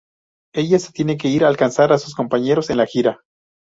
Ella se tiene que ir a alcanzar a sus compañeros en la gira.